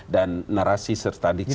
dan narasi serta dikisah